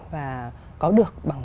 và có được bằng